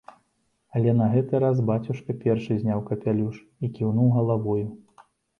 Але на гэты раз бацюшка першы зняў капялюш і кіўнуў галавою.